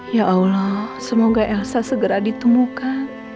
ya allah semoga elsa segera ditemukan